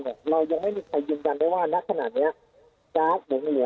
เรายังไม่มีใครยืนยันได้ว่าณขนาดเนี้ยจราขบังเหิย